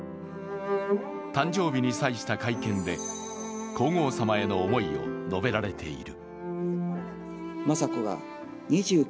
誕生日に際した会見で皇后さまへの思いを述べられている。